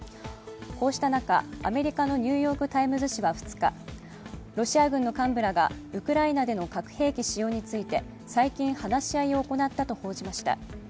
こうした中、アメリカの「ニューヨーク・タイムズ」紙は２日、ロシア軍の幹部らがウクライナでの核兵器使用について最近、話し合いを行ったと報じました。